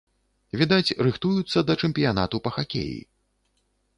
Відаць, рыхтуюцца да чэмпіянату па хакеі.